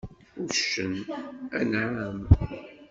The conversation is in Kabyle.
Uccen: Anεam.